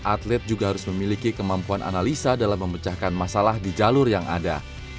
atlet juga harus memiliki kemampuan analisa dalam memecahkan masalah di jalur yang ada